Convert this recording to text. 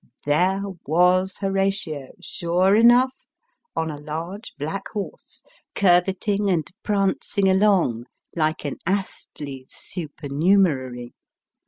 " There was Horatio, sure enough, on a large black horse, curvetting and prancing along, like an Astley's supernumerary.